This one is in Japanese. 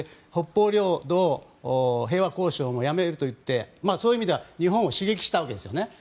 北方領土の平和交渉もやめるといってそういう意味では日本を刺激したわけですね。